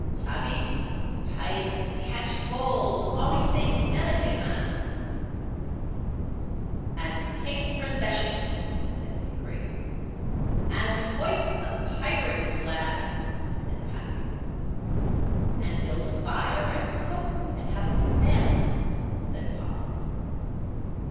Shabbee! Pilats catchee gold allee samee Melican man!" "And take perseshiun," said Hickory. "And hoist the Pirate flag," said Patsey. "And build a fire, and cook, and have a family," said Polly.